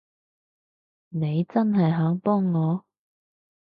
你真係肯幫我？